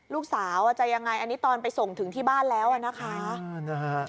ลูกสาวจะยังไงอันนี้ตอนไปส่งถึงที่บ้านแล้วอ่ะนะคะ